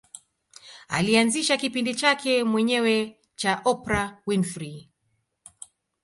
Alianzisha kipindi chake mwenyewe cha Oprah Winfrey